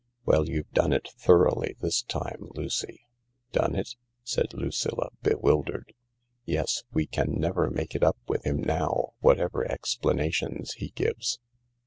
Well, you've done it thoroughly this time, Lucy." " Done it ?" said Lucilla, bewildered. " Yes— we can never make it up with him now, whatever explanations he gives."